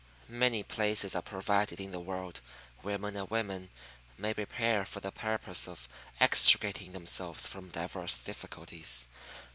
Many places are provided in the world where men and women may repair for the purpose of extricating themselves from divers difficulties.